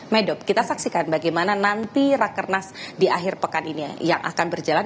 medok kita saksikan bagaimana nanti rakernas di akhir pekan ini yang akan berjalan